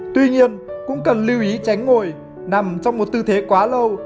tuy nhiên cũng cần lưu ý tránh ngồi nằm trong một tư thế quá lâu